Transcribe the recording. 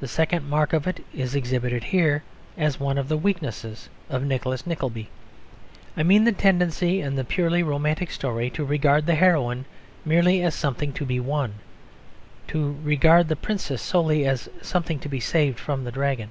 The second mark of it is exhibited here as one of the weaknesses of Nicholas Nickleby. I mean the tendency in the purely romantic story to regard the heroine merely as something to be won; to regard the princess solely as something to be saved from the dragon.